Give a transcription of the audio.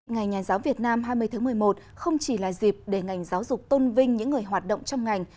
ngày nhà giáo việt nam hai mươi tháng một mươi một không chỉ là dịp để ngành giáo dục tôn vinh những người hoạt động trong ngành